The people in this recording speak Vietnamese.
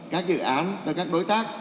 các dự án và các đối tác